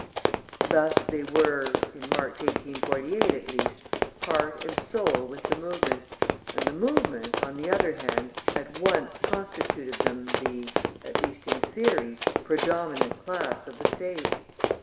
Thus they were, in March, 1848, at least, heart and soul with the movement, and the movement, on the other hand, at once constituted them the (at least in theory) predominant class of the State.